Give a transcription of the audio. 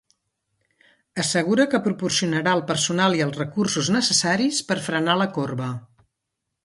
Assegura que proporcionarà el personal i els recursos necessaris per frenar la corba.